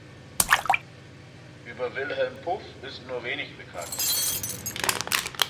Über Wilhelm Puff ist nur wenig bekannt.